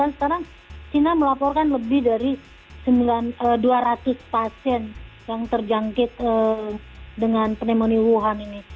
sekarang china melaporkan lebih dari dua ratus pasien yang terjangkit dengan pneumonia wuhan ini